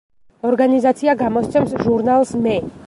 ორგანიზაცია გამოსცემს ჟურნალს „მე“.